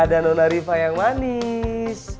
dadah nona riva yang manis